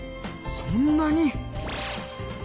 そんなに！？